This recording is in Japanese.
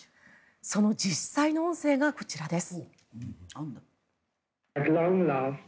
その実際の音声がこちらです。